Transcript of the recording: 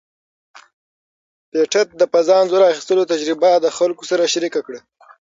پېټټ د فضا انځور اخیستلو تجربه د خلکو سره شریکه کړه.